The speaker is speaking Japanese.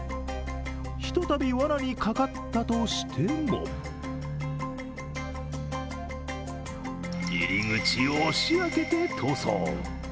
ひとたび、わなにかかったとしても入り口を押し開けて逃走。